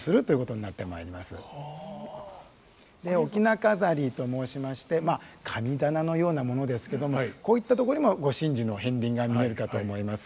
翁飾りと申しましてまあ神棚のようなものですけどもこういったとこにもご神事の片鱗が見えるかと思います。